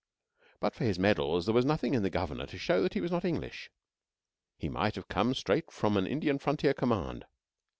But for his medals, there was nothing in the Governor to show that he was not English. He might have come straight from an Indian frontier command.